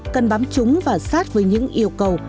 cần bám chúng và sát với những yêu cầu